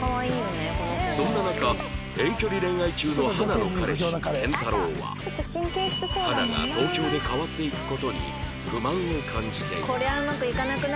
そんな中遠距離恋愛中の花の彼氏健太郎は花が東京で変わっていく事に不満を感じていた